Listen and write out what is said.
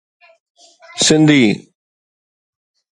Sindhi